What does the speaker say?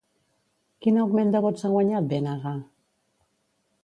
Quin augment de vots ha guanyat Bng?